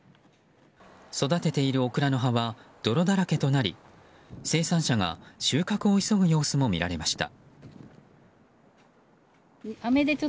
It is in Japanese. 育てているオクラの葉は泥だらけとなり生産者が収穫を急ぐ様子も見られました。